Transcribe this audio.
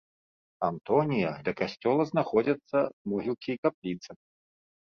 Антонія, ля касцёла знаходзяцца могілкі і капліца.